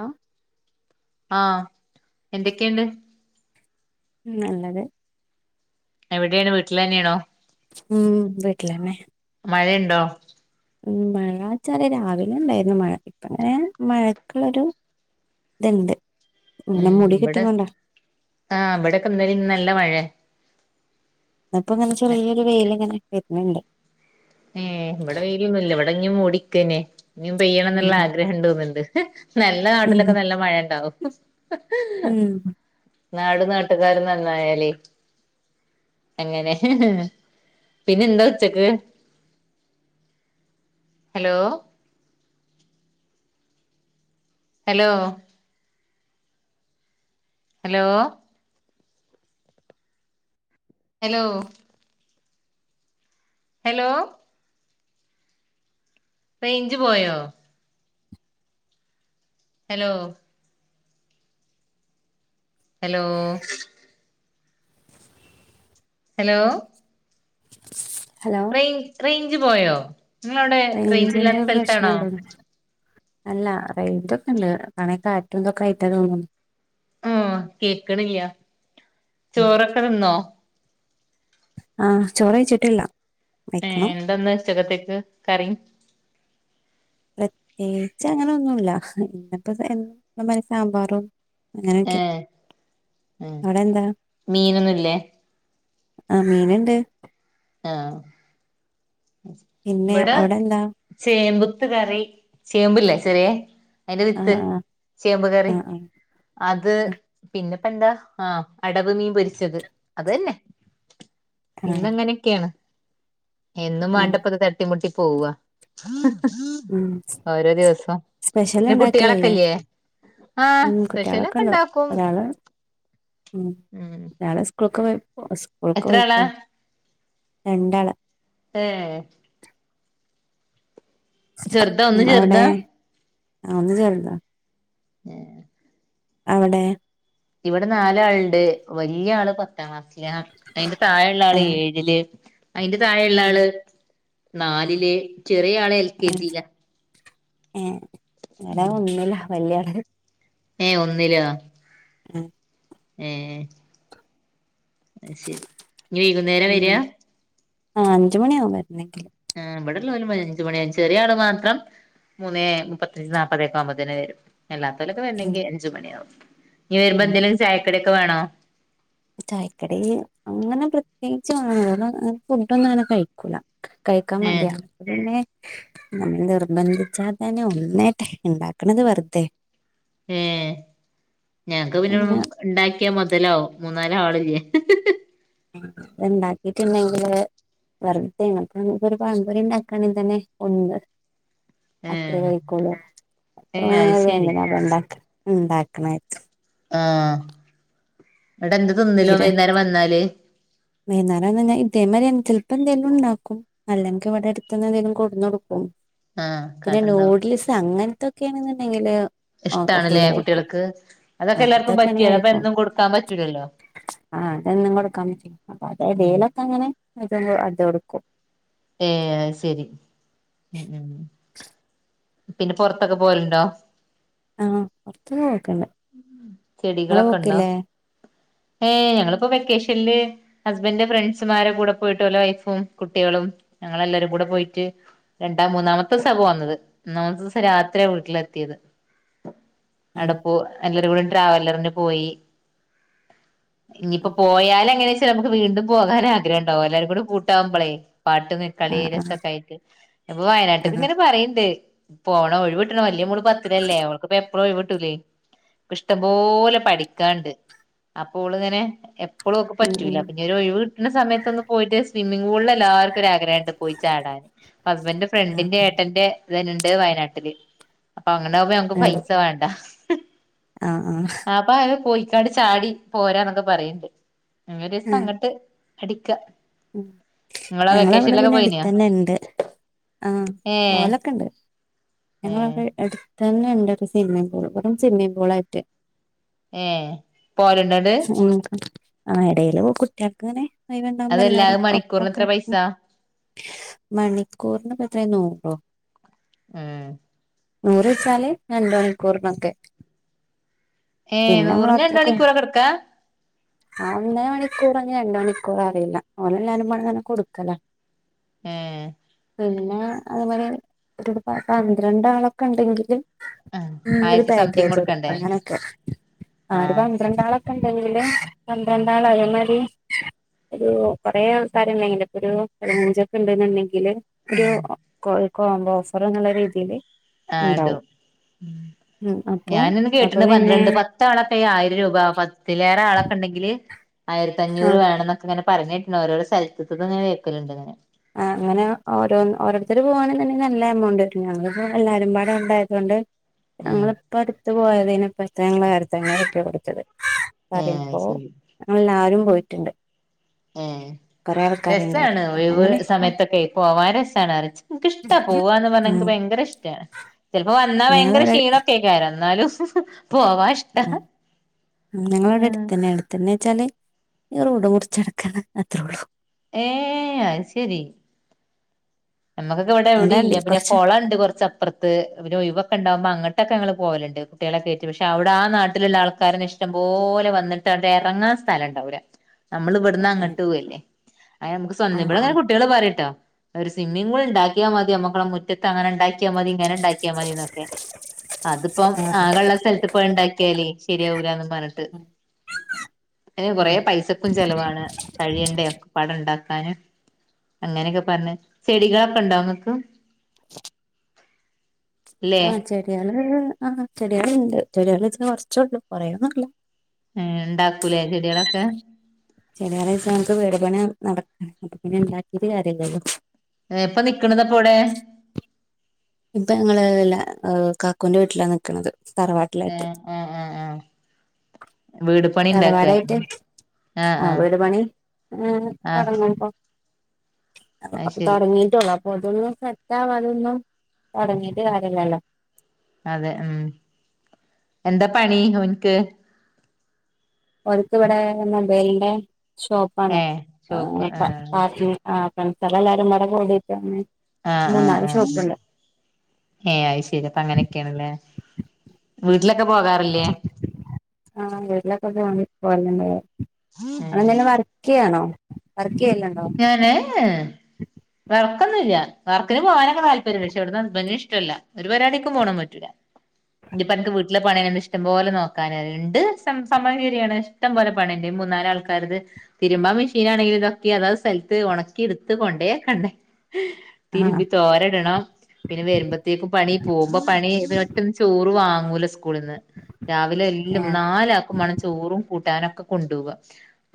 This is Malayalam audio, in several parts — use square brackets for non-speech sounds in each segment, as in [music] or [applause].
ആ ആഹ എന്തൊക്കെയുണ്ട് ഉ നല്ലത് എവിടെയാണ് വീട്ടിൽ തന്നെയണോ ഉം വീട്ടിലന്നെ മഴയുണ്ടോ ഉ മഴാച്ചാാല രാവിലെ ഉണ്ടായിരുന്നു മഴ ഇപ്പ അങ്ങനെ മഴക്കുള്ളൊരു ഇതണ്ട് ഉം ഇവിടെ ആഹ ഇവിടെൊക്കെ ഇന്നാല നല്ല മഴയ അപ്പൊ ഇങ്ങനെ ചെറിയൊരു വെൽ ഇങ്ങനെ വരുന്നുണ്ട് അടങ്ങി മടിക്കനെ ഇനും പെയ്യണം എന്നുള്ള ഉം ആഗ്രഹംുണ്ടോന്നുന്നുണ്ട് നല്ല ഉം നാട്ടിലൊക്കെ നല്ല മഴുണ്ടാവും ഉം നാട നാട്ടുകാരും നന്നായാലേ അങ്ങനെ പിന്നെ എന്താ ഉച്ചക്ക് hello hello hello hello hello range പോയോ hello hello hello hello range range പോയോ നിങ്ങളവിടെ റേഞ്ച് റേഞ്ചിന്റെ ഇല്ലാത്ത സ്ഥലത്താണോ പ്രശ്നണ്ടോന്ന് അല്ല റൈറ്റ്ൊക്കെ ഇണ്ട് കണ കാ ആറ്റ എന്തൊക്കെ ആയിട്ടാ തോന്നുന്നു ആ കേക്കണ്യാ ചോറൊക്കെ നിന്നോ ആഹ ചോറ് വച്ചിട്ടില്ല വയ്ക്കണം അച്ചകത്തേക്ക് കറി പ്രത്യേകിച്ച് അങ്ങനെ ഒന്നുമല്ല ഇന്നപ്പോ സാമ്പാറും അങ്ങനൊക്കെ ഏഹ് ഉം അവിടെ എന്താ മീനൊന്നുല്ലേ ആ മീൻണ്ട് ആഹ പിന്നെ ഇവിടെ അവിടെ എന്താ ചേമ്പ് [unintelligible] കറി ചേമ്പില്ലേ ചെറിയെ അതിന്റെ വിത്ത് ആഹ് ആഹ് ചേമ്പ് കറി. ആഹ് അത് ആഹ് പിന്നെ അപ്പ എന്താ ആഹ അടവ് മീൻ പൊരിച്ചത് അത് തന്നെ, ആഹ് ഇന്നങ്ങനെ എന്നും ഉം വേണ്ടപ്പത് തട്ടിമുട്ടി പോവ്വാ. ഉം ഓരോ ദിവസം സ്പെഷ്യൽ പിന്ന ഉണ്ടാക്കലില്ലേ കുട്ടികളൊക്കില്ലേ ആഹ ഉം സ്പെഷ്യലൊക്കെ ഉണ്ടാക്കും ഉ ഉം ഞളെ സ്കൂളൊക്കെ ഓ സ്കൂൾക്ക് എത്ര പോയിക്ക. ആളാ രണ്ടാള്. ഏ ചെറുതാ ഒന്ന് ചെറുതാ ആ ഒന്ന് ചേറുതാ ഏ അവിടെ ഇവിടെ നാലാളുണ്ട്, വലിയ ആള് പത്താം ക്ലാസ് ലാ അയിന്റെ താഴെ ഉള്ള ആള് ആഹ് ഏഴില്, അയിന്റെ താഴെള്ള ആഹ് ആള് നാലില് ചെറിയ ആള് എൽ കെ ജിയില. ഏ ഇട ഒന്നുമില്ല വല്യ ആള് ഏ ഒന്നില ഉം ഏ വൈകുന്നേര വരാ ആ അഞ്ച് മണിയാകും വരുന്നെങ്കിൽ. ആ ഇവിടള്ളൊരു പ അഞ്ച് മണി ചെറിയാള് മാത്രം മൂന്നേ മുപ്പത്തഞ്ച് നാല്പ്പത ഒക്കെ ആകുമ്പോത്തിന് വരും. എല്ലാത്തവലൊക്കെ ഉം വരണെങ്കിൽ അഞ്ച് മണിയാവും. ഇനി വരുമ്പോ എന്തേലും ചായക്കടൊക്കെ വേണോ? ചായക്കടി അങ്ങനെ പ്രത്യേകിച്ച് കാണ്പോ, ഫുഡ് ഒന്നും അങ്ങനെ കഴിക്കൂല. കഴിക്കാൻ ഏഹ് മടിയാ പിന്നെ നമ്മൾ നിർബന്ധിച്ചാൽ തന്നെ ഒന്നായിട്ടെ ഉണ്ടാക്കണത് വെറുതെ ഏ ഞങ്ങക്ക് പിന്നെ അങ്ങനെ ഉണ്ടാക്കിയാ മുതലാവും മൂ ന്നാല ആളില്ലേ ഹ് ഹ് അ ഇണ്ടാക്കിട്ടുണ്ടെങ്കില് വെറുതെയാണ്. അപ്പൊ നമുക്ക് ഒരു പമ്പൊരി ഉണ്ടാക്കാണ് തന്നെ ഒന്ന്‌ അത്രേ ഏഹ് കഴിക്കുള്ളൂ ഏഹ് അത് അ വേന ശരി അതണ്ടാക്ക ഉണ്ടാക്ക [unintelligible] ആ ഇവിടെ എന്ത് തിന്നലോ തീരെ വൈകുന്നേരം വന്നാല് അപ്പ എന്തെങ്കിലും ഉണ്ടാക്കും അല്ലെങ്കിൽ ഇവിടെ അടുത്ത്ന്ന് എന്തെങ്കിലും കൊടുന്നു കൊടുക്കും. ആഹ് പിന്നെ കടണ്ടാവും നൂഡിൽസ് അങ്ങനത്തൊക്കെയണെന്നുണ്ടെങ്കില് ഇഷ്ടണല്ലേ കുട്ടികൾക്ക്. അതൊക്കെ ആഹ് എല്ലാവർക്കും പറ്റൂ, അപ്പൊ എന്നും കൊടുക്കാൻ പറ്റൂലല്ലോ. ആ അതൊന്നും കൊടുക്കാൻ [unintelligible] അപ്പൊ ഉം അതടയിലൊക്കെ അങ്ങനെ ഇത അത് കൊടുക്കും ഏ ശരി അങ്ങനെ പിന്നെ പുറത്തൊക്കെ പോവല്ണ്ടോ ആഹ് പുറത്തൊക്കെ പോക്കുണ്ട് നിങ്ങള് ചെടികളൊക്കെ ഇണ്ടോ പോക്കില്ലേ ഏ ഞങ്ങളിപ്പോ വെക്കേഷനില് ഹസ്ബനിന്റെ ഫ്രണ്ട്സ്മാരു കൂടെ പോയിട്ടലെ വൈഫും കുട്ടികളും ഞങ്ങളെല്ലാരും കൂടെ പോയിട്ട് രണ്ടാം മൂന്നാമത്തെസ വന്നത് ഒന്നാമത്തെ ദിവസ രാത്രിയ വീട്ടിലെത്തിയത്. ആഹ് അടപോ എല്ലരും കൂടി ട്രാവലറിന് പോയി. ഇനിയിപ്പോ ആഹ് പോയാല അങ്ങനെച്ചാ നമുക്ക് വീണ്ടും പോകാൻ ആഗ്രഹം ഉണ്ടാവും എല്ലാവരും കൂടി കൂട്ടാകുമ്പോളേ പാട്ട് വെക്കല് ആഹ് രസൊക്കെ ആയിട്ട് ഇപ്പൊ വയനാട്ടക്ക് ആഹ് ആഹ് ഇങ്ങനെ പറയ്ണ്ട്. പോണം ഒഴിവിട്ടണമ ന്റെ മോള് പത്തില്ലേ ഓൾക്ക്പ എ എപ്പളും ഒഴിവ് കിട്ടൂലെ ഇഷ്ടംപോലെ പഠിക്കാണ്ട്, അപ്പോൾ ഓൾ ഇങ്ങനെ എപ് ഇപ്പോളും ഓക്ക് ഉം ഉം പറ്റൂല്ല പിന്നെ ഒരു ഒഴിവ് കിട്ടുന്ന സമയത്തൊന്ന് പോയിട്ട് സ്വിമ്മിങ് പൂളില് എല്ലാർക്കും വാരാണ്ട് പോയി ചാടാന് ഹസ്ബന്റിന്റെ ആഹ് ഫ്രണ്ടിന്റെ ഏട്ടന്റെ ഇതുണ്ട് വയനാട്ടില്. അപ്പൊ അങ്ങനെ ആകുമ്പോ ഞങ്ങക്ക് ആഹ് പൈസ വേണ്ട. ആഹ് ആഹ് ആപ്പൊ അത് പോയിക്കാണ്ട് ചാടി പോരാന്നൊക്കെ പറയൂണ്ട്. ഞങ്ങ ഒരു ദിവസം ആഹ് അങ്ങാട്ട് അടിക്കാം. ഉം. ഞങ്ങളവിടെ പിന്നെ പോയിനിയോ അടുത്തന്നെ ഉണ്ട് ആ ഏ പോകലൊക്കെ ഉണ്ട്. ഏ ഞങ്ങളടെ അടുത്തന്നെ ഉണ്ടൊരു സ്വിമ്മിംഗ് പൂൾ വെറും സ്വിമ്മിംഗ് പൂൾ ആയിട്ട്. ഏഹ് പോരാണോയിട്. ആ ഇടയില് പോ കുട്ടികൾക്ക് ഇങ്ങനെ ഒഴിവ് ഉണ്ടാകുമ്പം. അതല്ല എല്ലാരും അത് മണിക്കൂറിന് ഒപ്പൊക്കെ എത്ര പൈസ മണിക്കൂറിന് എത്ര നൂറോ? ഏഹ്. നൂറ് വച്ചാലേ രണ്ട് മണിക്കൂറിനൊക്കെ. ഏ പിന്നെ ഞമ്മ നൂറിന് രണ്ട് അത്രക്ക് മണിക്കൂറൊക്കെ എടുക്കാ ആ ഒന്നേ മണിക്കൂറ്. പറഞ്ഞ് രണ്ട് മണിക്കൂർ അറിയില്ല [unintelligible] പണങ്ങനെ കൊടുക്കലാ. ഏഹ്. പിന്നെ അതു മാതിരി ഒരു പന്ത്രണ്ടാളൊക്കെ ഉണ്ടെങ്കില്. ആ ഉം ഒരു ആയിരത്തി സംതിങ് പാക്കേജ് എടുക്കാം, കൊടുക്കണ്ടേ അങ്ങനൊക്കെ ആ ഒരു പന്ത്രണ്ടാളക്കെ ഉണ്ടെങ്കില് പന്ത്രണ്ടാളായമാരി ഒരു. കുറെ ആള്ക്കാരുണ്ടെങ്കില് ഇപ്പൊ ഒരു പതിനഞ്ചൊക്കെ ഉണ്ടെന്നുണ്ടെങ്കില് ആ ഒരു കോ കോമ്പോ ഓഫർയെന്നുള്ള രീതില്. ആടും. ഉം അപ്പൊ ഞാനിന്ന് അപ്പൊ കേട്ടിന്ന് പിന്നെ പന്ത്രണ്ട് പത്താളൊക്കെ ആയിരം രൂപ പത്തിലേറെ ആളൊക്കെ ഉണ്ടെങ്കില്. ആയിരത്തി അഞ്ഞൂറ് ആഹ് വേണം എന്നക്കെങ്ങനെ പറഞ്ഞിട്ടുണ്ട് ഓരോരോ സ്ഥലത്തത്തെ ഇങ്ങെ കേൾക്കലുണ്ട് ഇങ്ങനെ. ആഹ് അങ്ങനെ ഓരോ ഓരോരുത്തര് പോകവാണെന്നുണ്ടെങ്കി നല്ല എമൗണ്ട് വരും ഞങ്ങപ്പോ എല്ലാരും പാടേ ഉണ്ടായതുകൊണ്ട്. ഉം ഞങ്ങളിപ്പോ അടുത്ത പോയതിനെപ്പത്തെ ഞങ്ങള് ആയിരത്തി അഞ്ഞൂറ് റുപ്യേ കൊടുത്തത്. ഏ പറയുമ്പോ ശരി ഞങ്ങ എല്ലാരും പോയിട്ടുണ്ട്. ങേ കൊറേ രസാണ് ആൾക്കാരുണ്ടായിരുന്നു വേ അപ്പൊ അങ്ങനെ ഇതുപോലൊരു സമയത്തക്കെ പോകവാൻ രസമാണ് അറി എനക്ക് ഇഷ്ട പോവന്ന് പറഞ്ഞാ എനിക്ക് ഉം ഭയങ്കര ഇഷ്ടമാണ്. ചിലപ്പോ വന്നാ ഭയങ്കര ഞങ്ങളവിടെ ക്ഷീണൊക്കെയായ്ക്കാരം ആ എന്നാലും. പോവാൻ ഇഷ്ടാ ഉം നിങ്ങള ആ ഇവിടെ അടുത്ത തന്നെയടുത്തന്നെ വെച്ചാല്. ഈ റോഡ് മുറിച്ച് കടക്കണ അത്രേള്ളൂ. ഏ അയ് ശരി. നമ്മുക്കൊക്കെ ഇവിടെ എവിടെ അങ്ങടാണ്ടി ഇല്ല പിന്നെ കൊറച്ച് കുളം ഉണ്ട് കൊറച്ചപ്പുറത്ത് പിന്നെ ഒഴവൊക്കെ ഉണ്ടാവുമ്പ അങ്ങോട്ടൊക്കെ ഞങ്ങള് പോവലുണ്ട് കുട്ടികളെക്കെയായിട്ട് പക്ഷെ അവിടെ ആ നാട്ടിലുള്ള ആൾക്കാരെ ഇഷ്ടംപ പോലെ വന്നിട്ട് വിടെ ഇറങ്ങാ ങ്ങാ സ്ഥലം ഉണ്ടാവൂലാ നമ്മള് ഇവിടുന്ന് അങ്ങോട്ട് പോയില്ലേ അ നമ സ്വം ഇവിടെങ്ങനെ ആഹ് കുട്ടികൾ പറ കേട്ടോ ഒരു സ്വിമ്മിംഗ് പൂൾ ഉണ്ടാക്കിയാൽ മതി നമ്മു മുറ്റത്ത് അങ്ങനെ ഉണ്ടാക്കിയാ ക്കിയാൽ മതി ഇങ്ങനെ ഉണ്ടാക്കിയൽ മതിന്നൊക്കെ. അതിപ്പം ആഹ് ആകെയുള്ള സ്ഥലത്ത് ഇപ്പോ ഉണ്ടാക്കിയാലേ ശരിയാവൂലന്ന് പറഞ്ഞിട്ട്. അയിന് കുറേ ആഹ് പൈസക്കും ചെലവാണ് കഴിയണ്ടൊ ഒക്കെ. ഉണ്ടാക്കാന് അങ്ങനെയൊക്കെ പറഞ്ഞ്, ചെടികളൊക്കെ ഉണ്ടോ നിങ്ങക്ക്. ഇല്ലേ ആഹ് ചെടിയള് ആഹ് ചെടിയാള് ഉണ്ട് ചെടിയള് കുറച്ചേള്ളൂ കൊറേന്നു ഇല്ല. ഏ ഉണ്ടാക്കൂലേ ചെടികളൊക്കെ ചെടിയള് എച്ചാ നമുക്ക് വീട്പണി നടക്കാം, അപ്പ പിന്നെ ഉണ്ടാക്കിട്ട് കാര്യം ഇല്ലല്ലോ. എപ്പൊ നിക്കണ തിപ്പൊ എവിടെ. ഇപ്പൊ ഞങ്ങള് എല്ല കാക്കൂന്റെ വീട്ടിലാ നൽക്കണത്. ആഹ് ആഹ് ആഹ് ആഹ് വീട് പണി ഉണ്ടാക്കാ. ആ ഒരു മണി മ് ആ തുടങ്ങുമ്പോ. അത് അപ്പൊ ശരി തുടങ്ങിട്ടുള്ളൂഅപ്പോത്തിന് സെറ്റ് ആവാതൊന്നും. തുടങ്ങിട്ട് കാര്യാ ഇല്ലല്ലോ. അതെ ഉം എന്താ പണി ഓൻക്ക് ഒൻക്ക് ഇവിടെന്ന മൊബൈലിന്റെ ഷോപ്പാണ് ഏ ഷോപ്പ് ആ ശരി. പാർട്ടി ആ ഫ്രണ്ട്സല്ല എല്ലാരും വടെ ഓടിട്ട ആഹ് ആഹ് ആഹ് ആ ഏയ് അത് ശരി അപ്പ അങ്ങനെയൊക്കെയാണല്ലേ വേറല്ലേ ആ വൊക്കക്കപ്പോല്ല ഏ അന എന്തും വർക്ക് ചെയ്യാണോ വർക്ക് ചെയ്യലുണ്ടോ ഞാനേ ഏഹ് ആക്കന്നും ഇല്ല വർക്കിൻ പോവാനൊക്ക താല്പര്യ പക്ഷെ വിടന്ന് ഹസ്ബന്റിന് ഇഷ്ടമല്ല ഒരു പരിപാടിക്കും പോണം പറ്റില്ല ഇപ്പ അനിക്ക് വീട്ടിലെ പണി ഇഷ്ടം പോലെ നോക്കാന്ണ്ട് സംഭവം ശരിയാണ് ഇഷ്ടം പോലെ പണിണ്ട് മൂന്നാല് ആൾക്കാരുത്തിരുമ്പാൻ മെഷീനാണെങ്കിൽ ഇതൊക്കെ അതത് സ്ഥലത്ത് ഉണക്കി എടുത്ത് കൊണ്ടേ വെകണ്ടേ ആഹ് തിരുമ്പി തോരടണം പിന്നെ വരുമ്പോത്തേക്കും പണി പോകുമ്പോ പണി ഇട്ട്ന്ന് ചോറ് വാങ്ങ ല സ്കൂളിൽന്ന് രാവിലെ എല്ലാം ഏഹ് നാല് ആാക്ക് മണം ചോറും കൂട്ടാനും കൊണ്ടുപ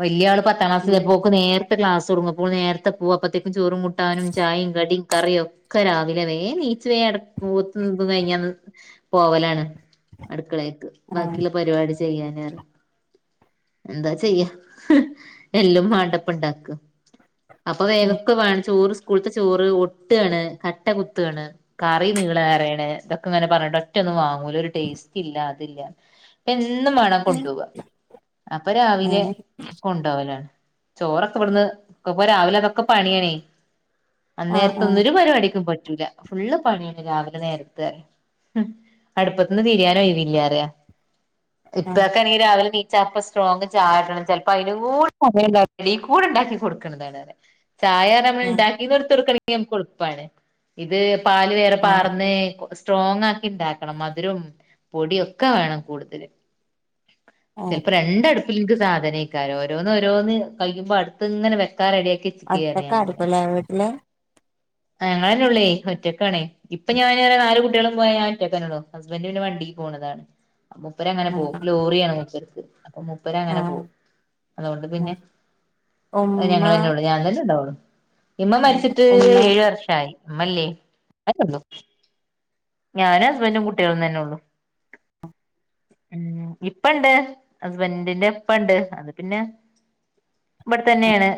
വല പത്താം ഉം ക്ലാസ് പോ നേരത്തെ ക്ലാസ് ചുറങ്ങപ്പോൾ നേത്തെ പോകപ്പത്തേക്കും ചോറും കുട്ടാനും ചായും കടിയും കറിയും ഒക്കൊ രാവിലെ വേം നിച്ച നി കഴ പോലാണ് അടുക്കളക്ക് ആഹ് ബിയുള്ള പരിപാടി ചെയ്യാന എന്താ ചെയ്യ എല്ലാം മാണ്ടപ്പുണ്ടാക്കും അപ്പൊ ഉം വേവകമാണം ചോറ് സ്കൂൾത്തെ ചോറ് ഒട്ടാണ് കട്ട കുത്താണ് കറി നീള വേയാണ് ഇതൊക്കെങ്ങനെ പറഞ്ഞട്ട ഒറ്റ ഒന്നും വും ടേസ്റ്റ്ല്ലല്ല അതില്ല എന്നും വേണം കൊണ്ടുപവാ അപ്പൊ രാവിലെ ഏഹ് കൊണ്ടുപവലാണ് ചോറൊക്കെ ഇവിടുന്ന് ഒക്കപ്പ രാവിലെ അതൊക്കെ പണിയണേ ആഹ് അന്നരത്തെ ആഹ് ഒന്നരു പരിപടിക്കുംപ പോട്ട് ഫുള്ള് പണിയ രാവിലെ നേരത്തെ അടുപ്പത്ത് ഒന്ന് തിരിയാൻ ഒഴിവില്ല ആഹ് ആഹ് ഇപ്പൊക്കൊണെങ്ക രാവിലെ ചപ്പ സ്ട്രോങ്ങ് ചായട്ടണം ചിലപ്പോ അതിന് കൂടെ സമയം ഇണ്ടാക്കൂല്ല ഈ കൂടെ ഉണ്ടാക്കി കൊടുക്കുന്നതാണ് അവെ ചായ നമ്മൾ ഏഹ് ഉണ്ടാക്കി എടുത്തു കൊടുക്കാണ് എളുപ്പം ഇത് പാല് വേറെ ആഹ് പാർന്ന് സ്ട്രോങ് ആക്കി ഉണ്ടാക്കണം മധുരം പൊടിയൊക്കെ വേണം കൂടുതല് ഏഹ് ചിലപ്പോ രണ്ടടുപ്പിൽ നിക്ക് സാധനക്ക ഓരോന്ന് ഓരോന്ന് കഴിക്കുമ്പോ അടുത്ത് ഇങ്ങനെ വെക്കണം ഒക്കെ റെഡിയാക്കി നിക്കാക്കാരം ഒറ്റക്കായിരിക്കുല്ലേ വീട്ടില് ഞങ്ങൾ തന്നെ ഉള്ളേ ഒറ്റക്കാണേ ഇപ്പൊ ഞാനൻ നാല് കുട്ടി കുട്ടികളും പോയ ഒറ്റക്കാനോ ഹസ്ബൻ്റ് പിന്നെ വണ്ടിക്ക് പോവുന്നതാണ് മുപ്പര് അങ്ങനെ പോവും ആഹ് ലോറിയാണ് മുപ്പര്ക്ക് അപ്പൊ മുപ്പര അങ്ങനെ ആഹ് പോകും അതുകൊണ്ട് പിന്നെ ആഹ് ഉമ്മ ഞങ്ങൾ തന്നെ ഉള്ളൂ ഞാൻ തന്നെ ഉണ്ടാവുള്ളു ഇമ്മ മരിച്ചിട്ട് ഉമ്മേ ഏഴു വർഷം ആയി ഇമല്ലേ അ ഞാനും ഹസ്ബൻറും കുട്ടികളും തന്നെ ഉള്ളു ഉം ഇപ്പ ഇണ്ട് ഹസ്ബൻ്റിന്റെ ഇപ്പ ഉണ്ട് അത് പിന്നെ ഇവിടെ തന്നെയാണ്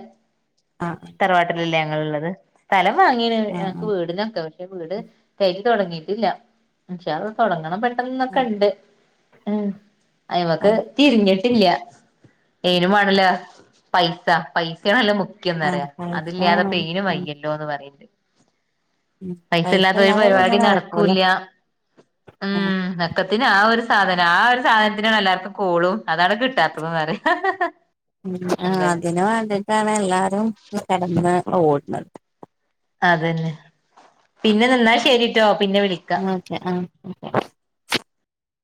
ആഹ് തറവാട്ടിലല്ലേ ഞങ്ങൾ ഉുള്ളത് സ്ഥലം അ അങ്ങനക്ക് ആഹ് വീടിനൊക്കെ പക്ഷെ വീട് കയറ്റി തുടങ്ങിയിട്ടില്ല ഇൻഷാ അള്ളാ തുടങ്ങണം ഇപ്പടുത്ത് ട്ടന്നൊക്കെ ആഹ് ഉണ്ട് അയിമക്ക് ആഹ് തിരിഞ്ഞിട്ടില്ല നുംമാേണല്ല പൈസ പൈസയാണല്ല മുക്കന്നറിയ ആഹ് കഴിക്കാൻ അതില്ലാതെ വേണം പെയിനും ഉം വയ്യല്ലോ എന്ന് പറയണ്ട് ഉം പൈസ ഇല്ലാത്തൊരു പൈസല്ലാതെ പിന്നെ പരിപാടി നടക്കൂല നടക്കൂല്ല ഉം ഒക്കെ ത്തിന് ആ ഒരു സാധനം ആ ഒരു സാധനത്തിനാണ് എല്ലാവർക്കും കോളും അതാണ് കിട്ടാത്തത് പറയാ ഉ എന്താ ചെയ്യ അതിനന് വേണ്ടിട്ടാണ് എല്ലാരും കടന്ന് ഓടുന്നത് അതന്നെ പിന്നെ നിന്നാ ശരിട്ടോ പിന്നെ വിളിക്കാം ഓക്കെ ആഹ